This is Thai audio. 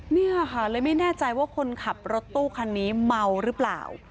เนี่ยค่ะเลยไม่แน่ใจว่าคนขับรถตู้คันนี้เมาหรือเปล่า